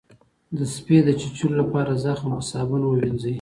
د سپي د چیچلو لپاره زخم په صابون ووینځئ